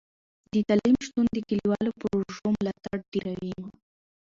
د تعلیم شتون د کلیوالو پروژو ملاتړ ډیروي.